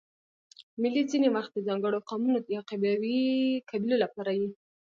مېلې ځیني وخت د ځانګړو قومونو یا قبیلو له پاره يي.